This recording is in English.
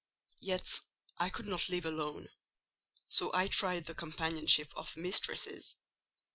"Yet I could not live alone; so I tried the companionship of mistresses.